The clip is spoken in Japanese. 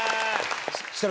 設楽